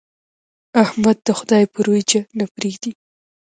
احمد د خدای پر اوېجه نه پرېږدي.